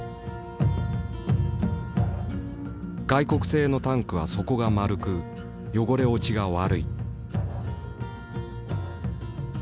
外国製のタンクは底が丸く汚れ落ちが悪い。